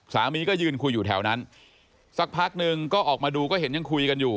สามีก็ยืนคุยอยู่แถวนั้นสักพักหนึ่งก็ออกมาดูก็เห็นยังคุยกันอยู่